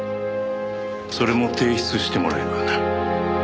それも提出してもらえるかな？